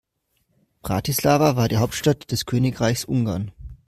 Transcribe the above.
Bratislava war die Hauptstadt des Königreichs Ungarn.